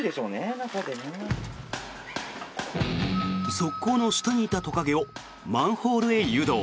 側溝の下にいたトカゲをマンホールへ誘導。